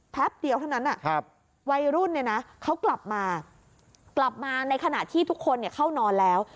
แพปเดียวเท่านั้นนะวัยรุ่นเขากลับมาในขณะที่ทุกคนเข้านอนแล้ว